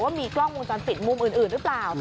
ว่ามีกล้องวงจรปิดมุมอื่นหรือเปล่า